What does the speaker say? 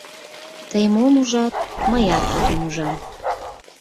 Тый мом ужат, мыят тудым ужам.